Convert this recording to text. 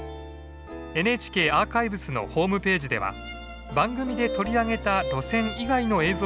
ＮＨＫアーカイブスのホームページでは番組で取り上げた路線以外の映像もご覧頂けます。